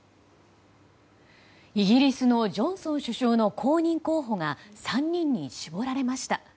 イギリスのジョンソン首相の後任候補が３人に絞られました。